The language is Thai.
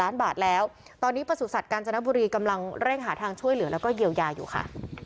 นบุรีกำลังแร่งหาทางช่วยเหลือแล้วก็เยียวยาอยู่ค่ะ